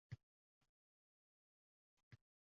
Hozir oʻquvchilar yozyapti va hech kim oʻqimayapti